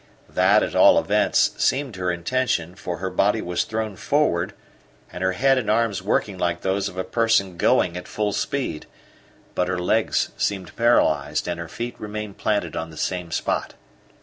That, at all events, seemed her intention, for her body was thrown forward, and her head and arms working like those of a person going at full speed, but her legs seemed paralysed and her feet remained planted on the same spot.